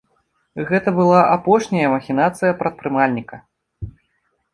Гэта была апошняя махінацыя прадпрымальніка.